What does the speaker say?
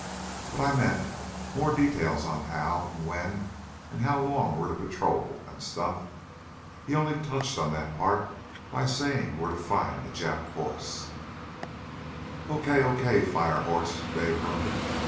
But I meant, more details on how, and when, and how long we're to patrol, and stuff? He only touched on that part by saying that we're to find the Jap force." "Okay, okay, fire horse!" Dave grunted.